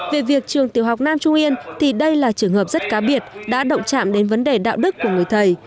về việc trường tiểu học nam trung yên thì đây là trường hợp rất cá biệt đã động chạm đến vấn đề đạo đức của người thầy